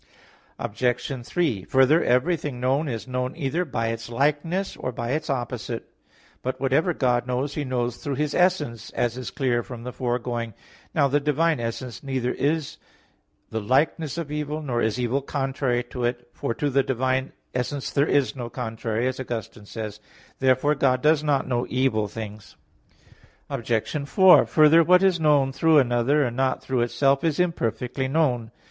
Obj. 3: Further, everything known is known either by its likeness, or by its opposite. But whatever God knows, He knows through His essence, as is clear from the foregoing (A. 5). Now the divine essence neither is the likeness of evil, nor is evil contrary to it; for to the divine essence there is no contrary, as Augustine says (De Civ. Dei xii). Therefore God does not know evil things. Obj. 4: Further, what is known through another and not through itself, is imperfectly known.